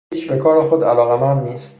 هیچ بکار خود علاقه مند نیست